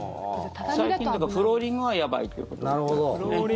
フローリングはやばいということになる。